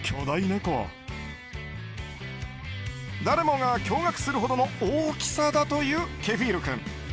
誰もが驚愕するほどの大きさだというケフィール君。